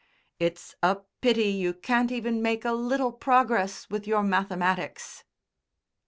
"It's a pity you can't even make a little progress with your mathematics."